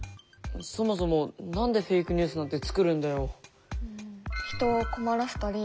そもそも何でフェイクニュースなんてつくるんだよ。